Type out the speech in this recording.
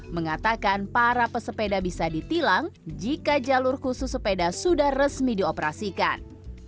mengatakan para pesepeda bisa ditilang jika jalur khusus sepeda sudah resmi dioperasikan